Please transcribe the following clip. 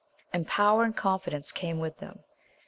And power and confidence came with them.